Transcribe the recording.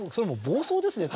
暴走。